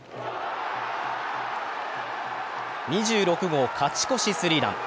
２６号勝ち越しスリーラン。